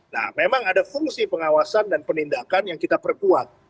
nah memang ada fungsi pengawasan dan penindakan yang kita perkuat